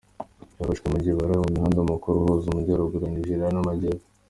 Bafashwe mu gihe bari mu muhanda mukuru uhuza amajyaruguru ya Nigeria n'amajyepfo.